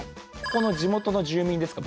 ここの地元の住民ですか？